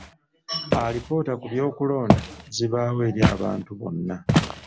Alipoota ku by'okulonda zibaawo eri abantu bonna.